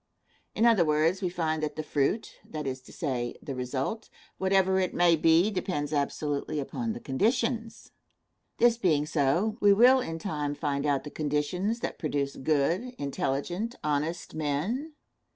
In other words, we find that the fruit, that is to say, the result, whatever it may be, depends absolutely upon the conditions. This being so, we will in time find out the conditions that produce good, intelligent, honest men.